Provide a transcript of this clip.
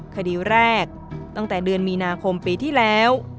คดีแรกตั้งแต่เดือนมีนาคมปีที่แล้ว